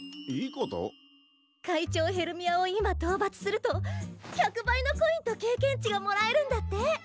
怪鳥ヘルミアを今討伐すると１００倍のコインと経験値がもらえるんだって！